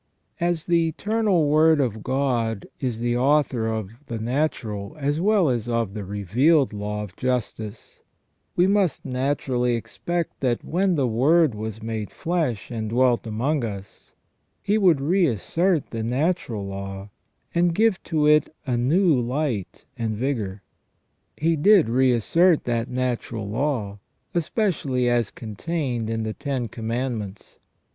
As the Eternal Word of God is the author of the natural as well as of the revealed law of justice, we must naturally expect that when the Word was made flesh and dwelt among us, He would reassert the natural law and give to it new light and vigour. He did reassert that natural law, especially as contained in the Ten Commandments.